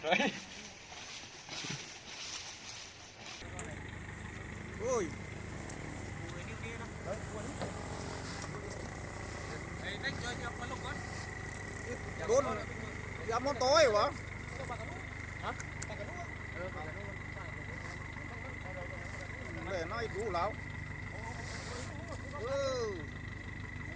อันนี้เป็นอันนี้